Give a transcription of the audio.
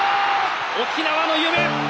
沖縄の夢